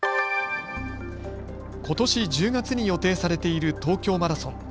ことし１０月に予定されている東京マラソン。